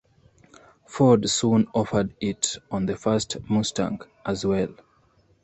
Ford soon offered it on the first Mustang as well.